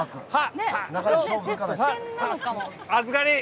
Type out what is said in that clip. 預かり！